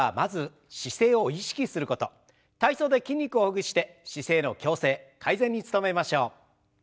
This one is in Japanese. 体操で筋肉をほぐして姿勢の矯正改善に努めましょう。